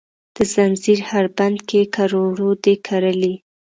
د ځنځیر هر بند کې کروړو دي کرلې،